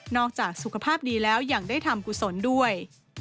จากสุขภาพดีแล้วยังได้ทำกุศลด้วย